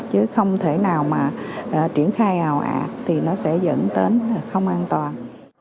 chứ không thể nào mà triển khai ào ạt thì nó sẽ dẫn đến không an toàn